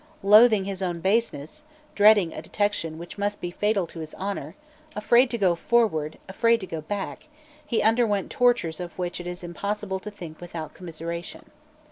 Loathing his own baseness, dreading a detection which must be fatal to his honour, afraid to go forward, afraid to go back, he underwent tortures of which it is impossible to think without commiseration.